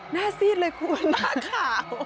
หน้าซีดเลยคุณหน้าขาว